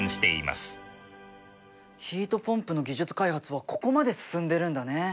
ヒートポンプの技術開発はここまで進んでるんだね。